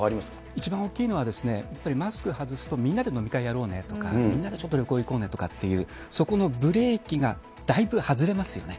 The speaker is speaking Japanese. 一番大きいのは、やっぱりマスク外すと、みんなで飲み会やろうねとか、みんなでちょっと旅行行こうねとかっていう、そこのブレーキがだいぶ外れますよね。